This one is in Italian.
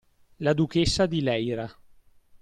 La duchessa di Leyra.